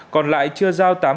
còn lại chưa giao